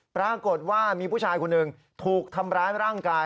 ปรากฏว่ามีผู้ชายคนหนึ่งถูกทำร้ายร่างกาย